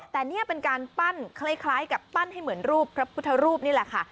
แต่นี่เป็นการปั้นคล้ายกับปั้นให้เหมือนรูปพระพุทธรูปนี่แหละค่ะ